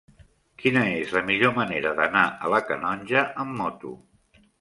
Quina és la millor manera d'anar a la Canonja amb moto?